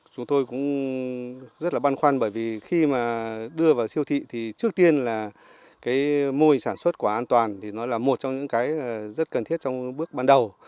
chúng tôi cũng rất là băn khoăn bởi vì khi mà đưa vào siêu thị thì trước tiên là cái mô hình sản xuất quả an toàn thì nó là một trong những cái rất cần thiết trong bước ban đầu